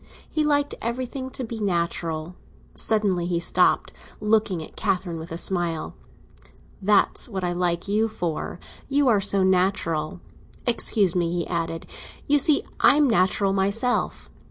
He liked everything to be natural. Suddenly he stopped, looking at Catherine with his smile. "That's what I like you for; you are so natural! Excuse me," he added; "you see I am natural myself!"